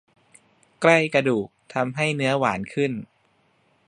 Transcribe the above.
ใกล้กระดูกทำให้เนื้อหวานขึ้น